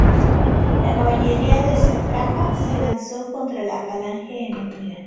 La caballería del sátrapa se lanzó contra la falange enemiga.